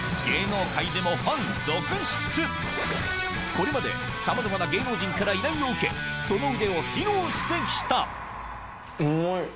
これまでさまざまな芸能人から依頼を受けその腕を披露して来た